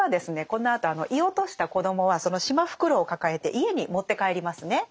このあと射落とした子どもはそのシマフクロウを抱えて家に持って帰りますね。